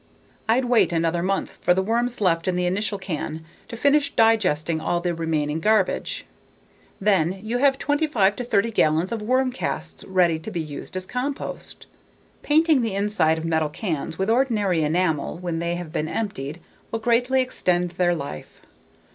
I'd wait another month for the worms left in the initial can to finish digesting all the remaining garbage. Then, you have 25 to 30 gallons of worm casts ready to be used as compost. Painting the inside of metal cans with ordinary enamel when they have been emptied will greatly extend their life.